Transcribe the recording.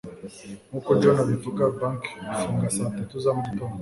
Nk’uko John abivuga, banki ifunga saa tatu za mu gitondo.